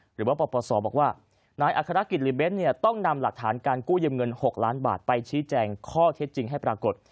หรือว่าปปศบอกว่านายอัครกิจหรือเน้นเนี่ยต้องนำหลักฐานการกู้ยืมเงิน๖ล้านบาทไปชี้แจงข้อเท็จจริงให้ปรากฏ